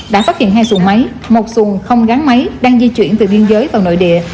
đã phát hiện hai xuồng máy một xuồng không gắn máy đang di chuyển từ biên giới vào nội địa